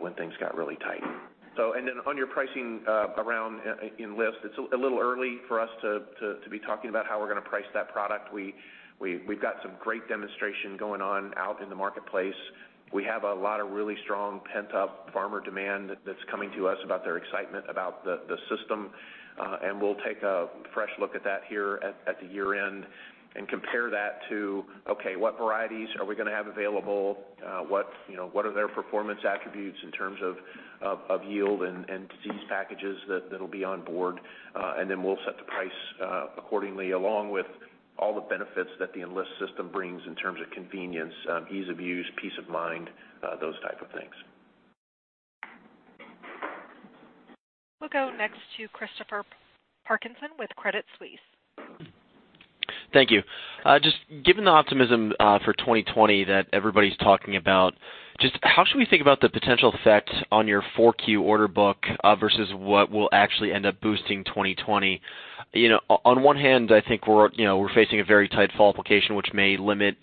when things got really tight. On your pricing around Enlist, it's a little early for us to be talking about how we're going to price that product. We've got some great demonstration going on out in the marketplace. We have a lot of really strong pent-up farmer demand that's coming to us about their excitement about the system. We'll take a fresh look at that here at the year end and compare that to, okay, what varieties are we going to have available? What are their performance attributes in terms of yield and disease packages that'll be on board? We'll set the price accordingly along with all the benefits that the Enlist system brings in terms of convenience, ease of use, peace of mind, those type of things. We'll go next to Christopher Parkinson with Credit Suisse. Thank you. Just given the optimism for 2020 that everybody's talking about, just how should we think about the potential effect on your 4Q order book versus what will actually end up boosting 2020? On one hand, I think we're facing a very tight fall application which may limit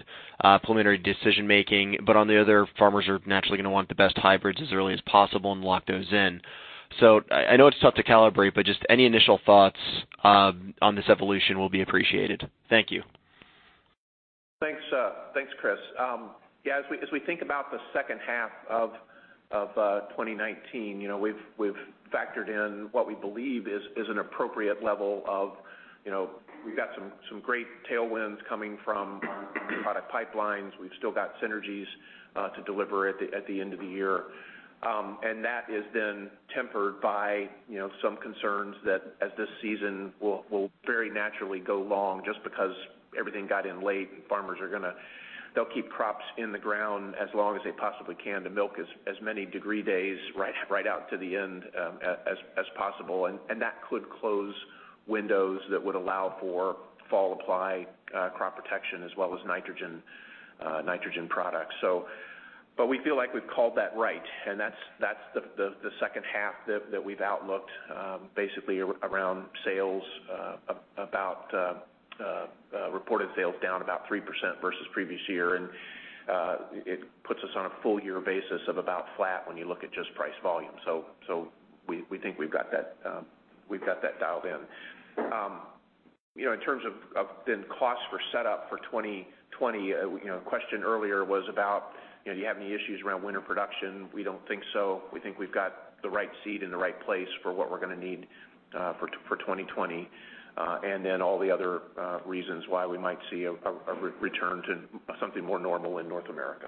preliminary decision-making. On the other, farmers are naturally going to want the best hybrids as early as possible and lock those in. I know it's tough to calibrate, but just any initial thoughts on this evolution will be appreciated. Thank you. Thanks, Chris. Yeah, as we think about the second half of 2019, we've factored in what we believe is an appropriate level of. We've got some great tailwinds coming from product pipelines. We've still got synergies to deliver at the end of the year. That is then tempered by some concerns that as this season will very naturally go long, just because everything got in late, farmers they'll keep crops in the ground as long as they possibly can to milk as many degree days right out to the end as possible. That could close windows that would allow for fall apply crop protection as well as nitrogen products. We feel like we've called that right and that's the second half that we've outlooked basically around sales, reported sales down about 3% versus previous year. It puts us on a full year basis of about flat when you look at just price volume. We think we've got that dialed in. In terms of then costs for setup for 2020, a question earlier was about, do you have any issues around winter production? We don't think so. We think we've got the right seed in the right place for what we're going to need for 2020. All the other reasons why we might see a return to something more normal in North America.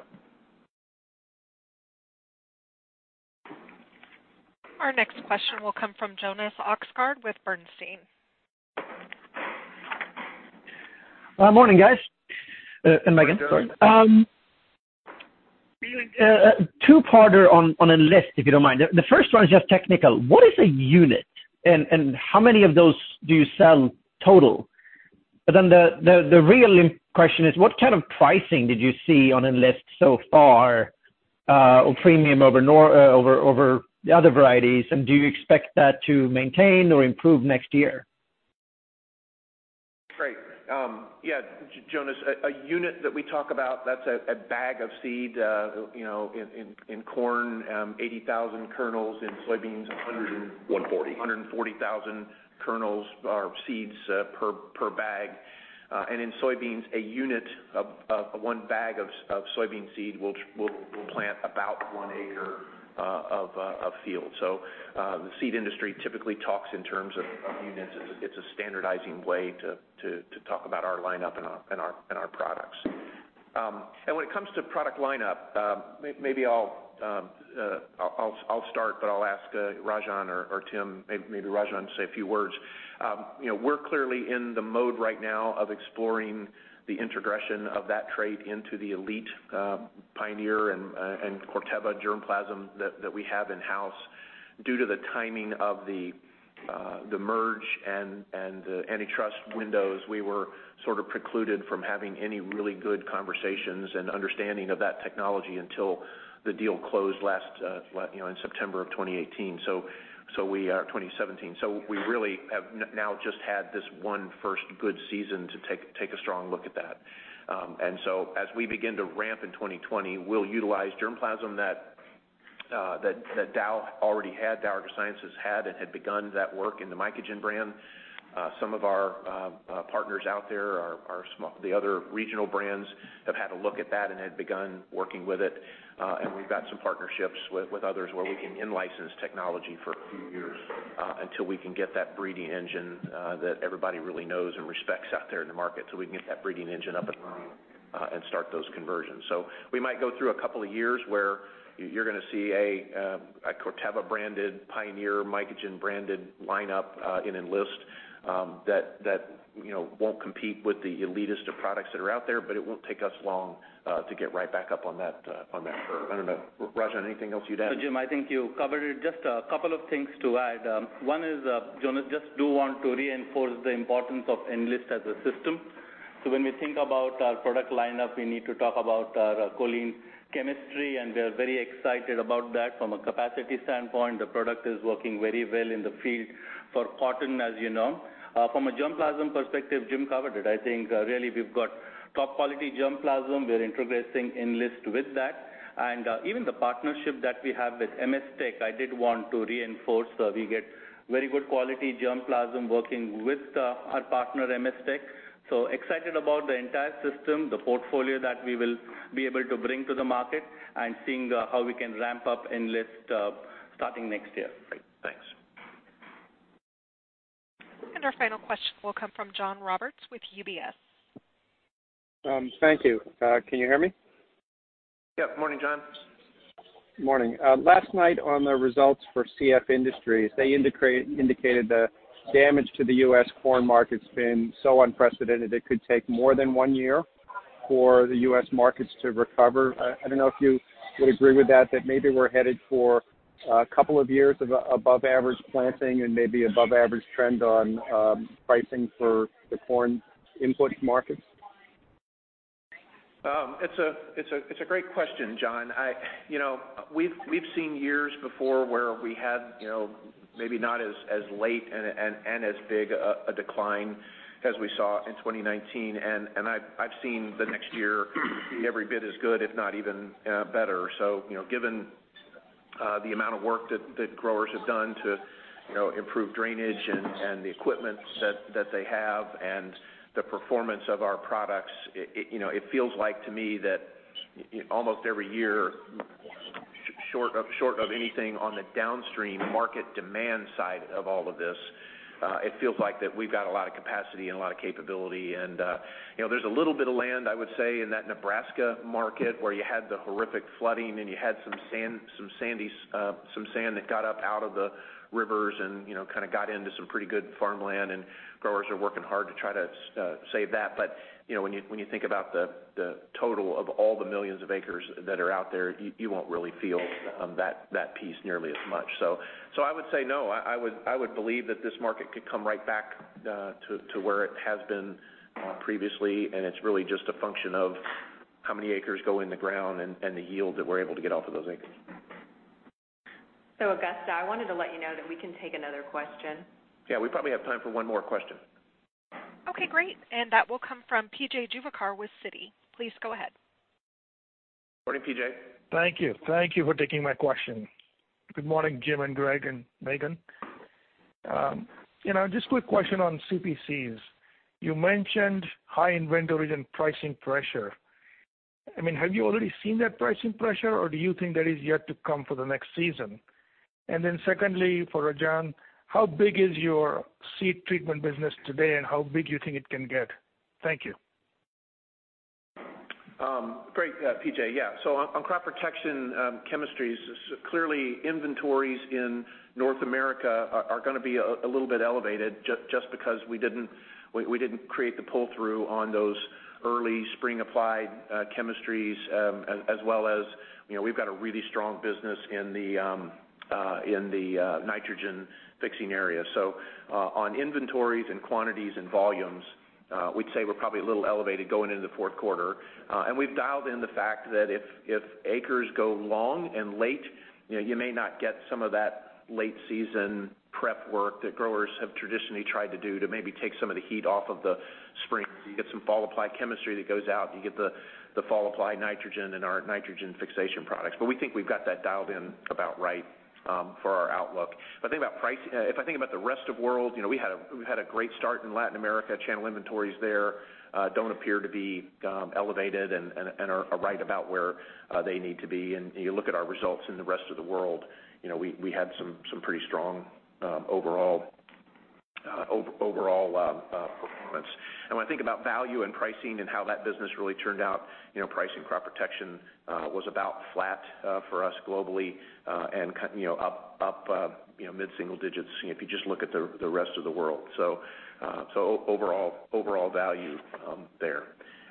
Our next question will come from Jonas Oxgaard with Bernstein. Morning, guys. Megan, sorry. Two parter on Enlist, if you don't mind. The first one is just technical. What is a unit and how many of those do you sell total? The real question is what kind of pricing did you see on Enlist so far, or premium over the other varieties, and do you expect that to maintain or improve next year? Great. Yeah, Jonas, a unit that we talk about that's a bag of seed in corn, 80,000 kernels, in soybeans- 140 140,000 kernels or seeds per bag. In soybeans, a unit of 1 bag of soybean seed will plant about 1 acre of field. The seed industry typically talks in terms of units. It's a standardizing way to talk about our lineup and our products. When it comes to product lineup, maybe I'll start, but I'll ask Rajan or Tim, maybe Rajan to say a few words. We're clearly in the mode right now of exploring the introgression of that trait into the elite Pioneer and Corteva germplasm that we have in-house. Due to the timing of the merge and the antitrust windows, we were sort of precluded from having any really good conversations and understanding of that technology until the deal closed in September of 2017. We really have now just had this one first good season to take a strong look at that. As we begin to ramp in 2020, we'll utilize germplasm that Dow already had, Dow AgroSciences had, and had begun that work in the Mycogen brand. Some of our partners out there are the other regional brands have had a look at that and had begun working with it. We've got some partnerships with others where we can in-license technology for a few years until we can get that breeding engine that everybody really knows and respects out there in the market, so we can get that breeding engine up and running and start those conversions. We might go through a couple of years where you're going to see a Corteva-branded Pioneer, Mycogen-branded lineup in Enlist that won't compete with the elitist of products that are out there, but it won't take us long to get right back up on that curve. I don't know, Rajan, anything else you'd add? Jim, I think you covered it. Just a couple of things to add. One is, Jonas, just do want to reinforce the importance of Enlist as a system. When we think about our product lineup, we need to talk about our choline chemistry, and we're very excited about that from a capacity standpoint. The product is working very well in the field for cotton, as you know. From a germplasm perspective, Jim covered it. I think really we've got top quality germplasm. We're introgressing Enlist with that. Even the partnership that we have with M.S. Tech, I did want to reinforce. We get very good quality germplasm working with our partner, M.S. Tech. Excited about the entire system, the portfolio that we will be able to bring to the market and seeing how we can ramp up Enlist starting next year. Great. Thanks. Our final question will come from John Roberts with UBS. Thank you. Can you hear me? Yep. Morning, John. Morning. Last night on the results for CF Industries, they indicated the damage to the U.S. corn market's been so unprecedented it could take more than one year for the U.S. markets to recover. I don't know if you would agree with that maybe we're headed for a couple of years of above average planting and maybe above average trend on pricing for the corn inputs markets. It's a great question, John. We've seen years before where we had maybe not as late and as big a decline as we saw in 2019, and I've seen the next year be every bit as good, if not even better. Given the amount of work that growers have done to improve drainage and the equipment that they have and the performance of our products, it feels like to me that almost every year short of anything on the downstream market demand side of all of this, it feels like that we've got a lot of capacity and a lot of capability. There's a little bit of land, I would say, in that Nebraska market where you had the horrific flooding and you had some sand that got up out of the rivers and got into some pretty good farmland and growers are working hard to try to save that. When you think about the total of all the millions of acres that are out there, you won't really feel that piece nearly as much. I would say no, I would believe that this market could come right back to where it has been previously, and it's really just a function of how many acres go in the ground and the yield that we're able to get off of those acres. Augusta, I wanted to let you know that we can take another question. Yeah, we probably have time for one more question. Okay, great. That will come from P.J. Juvekar with Citi. Please go ahead. Morning, P.J. Thank you. Thank you for taking my question. Good morning, Jim and Greg and Megan. Just a quick question on CPCs. You mentioned high inventory and pricing pressure. Have you already seen that pricing pressure, or do you think that is yet to come for the next season? Secondly, for Rajan, how big is your seed treatment business today, and how big do you think it can get? Thank you. Great, PJ. Yeah. On crop protection chemistries, clearly inventories in North America are going to be a little bit elevated just because we didn't create the pull-through on those early spring-applied chemistries, as well as we've got a really strong business in the nitrogen-fixing area. On inventories and quantities and volumes, we'd say we're probably a little elevated going into the fourth quarter. We've dialed in the fact that if acres go long and late, you may not get some of that late season prep work that growers have traditionally tried to do to maybe take some of the heat off of the spring. You get some fall-apply chemistry that goes out. You get the fall-apply nitrogen and our nitrogen fixation products. We think we've got that dialed in about right for our outlook. If I think about the rest of world, we've had a great start in Latin America. Channel inventories there don't appear to be elevated and are right about where they need to be. You look at our results in the rest of the world, we had some pretty strong overall performance. When I think about value and pricing and how that business really turned out, pricing crop protection was about flat for us globally and up mid-single digits if you just look at the rest of the world. Overall value there.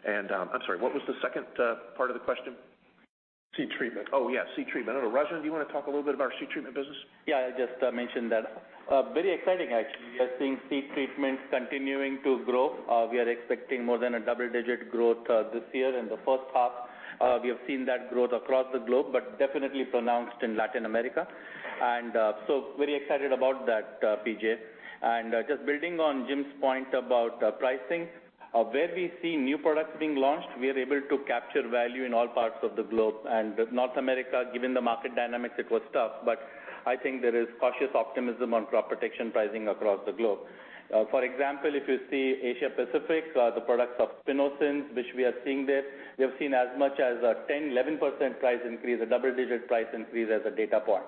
I'm sorry, what was the second part of the question? Seed treatment. Oh, yeah, seed treatment. Rajan, do you want to talk a little bit about our seed treatment business? Yeah, I just mentioned that. Very exciting, actually. We are seeing seed treatments continuing to grow. We are expecting more than a double-digit growth this year. In the first half, we have seen that growth across the globe, but definitely pronounced in Latin America. Very excited about that, P.J. Just building on Jim's point about pricing, where we see new products being launched, we are able to capture value in all parts of the globe. North America, given the market dynamics, it was tough, but I think there is cautious optimism on crop protection pricing across the globe. For example, if you see Asia Pacific, the products of spinosyns, which we are seeing there, we have seen as much as a 10%, 11% price increase, a double-digit price increase as a data point.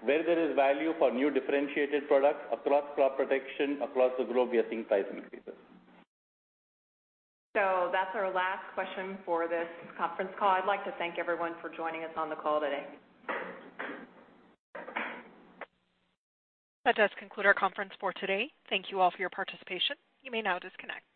Where there is value for new differentiated products across crop protection, across the globe, we are seeing price increases. That's our last question for this conference call. I'd like to thank everyone for joining us on the call today. That does conclude our conference for today. Thank you all for your participation. You may now disconnect.